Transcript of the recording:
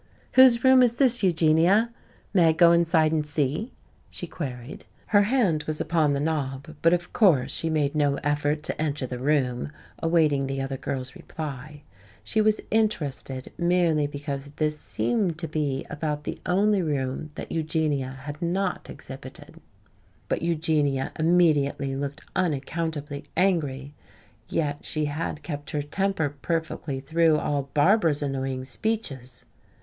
"Whose room is this, Eugenia? May I go inside and see?" she queried. Her hand was upon the knob, but, of course, she made no effort to enter the room, awaiting the other girl's reply. She was interested merely because this seemed to be about the only room that Eugenia had not exhibited. But Eugenia immediately looked unaccountably angry. Yet she had kept her temper perfectly through all Barbara's annoying speeches!